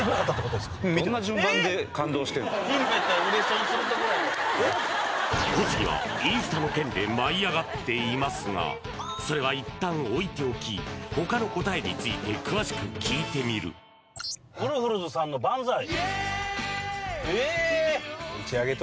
うわっ小杉はインスタの件で舞い上がっていますがそれは一旦置いておき他の答えについて詳しく聞いてみるウルフルズさんの「バンザイ」？